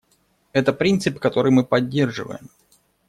Это принцип, который мы поддерживаем.